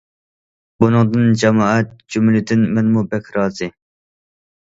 بۇنىڭدىن جامائەت، جۈملىدىن مەنمۇ بەك رازى.